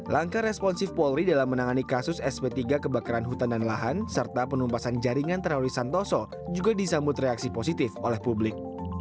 langkah responsif polri dalam menangani kasus sp tiga kebakaran hutan dan lahan serta penumpasan jaringan terawi santoso juga disambut reaksi positif oleh publik